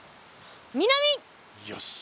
よし！